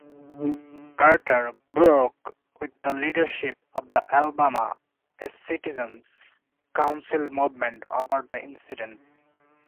Carter broke with the leadership of the Alabama Citizens' Council movement over the incident.